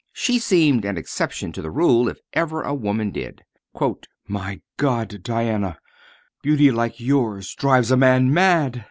She seemed an exception to the rule if ever a woman did. "My God, Diana! Beauty like yours drives a man mad!"